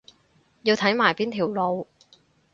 要睇埋邊條路